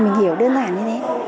mình hiểu đơn giản như thế